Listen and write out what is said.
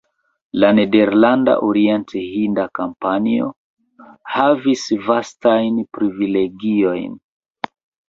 La Nederlanda Orient-hinda Kompanio havis vastajn privilegiojn.